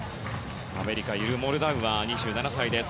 アメリカ、ユル・モルダウアー２７歳です。